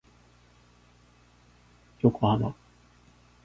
横浜